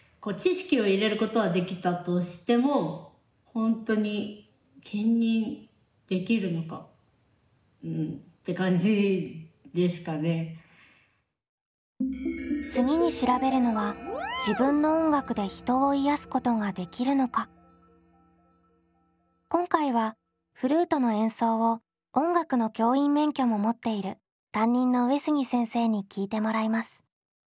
インタビューをしてみてえやっぱ次に調べるのは今回はフルートの演奏を音楽の教員免許も持っている担任の上杉先生に聴いてもらいます。